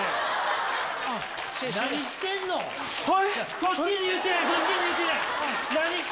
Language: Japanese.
こっちに言うて。